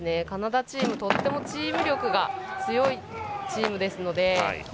カナダチーム、とってもチーム力が強いチームですので。